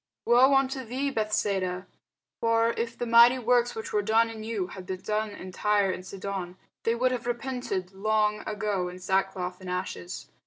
woe unto thee, Bethsaida! for if the mighty works, which were done in you, had been done in Tyre and Sidon, they would have repented long ago in sackcloth and ashes.